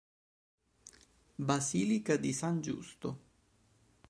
Basilica di San Giusto